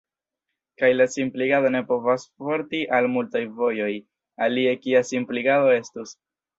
Kaj la simpligado ne povas porti al multaj vojoj, alie kia simpligado estus?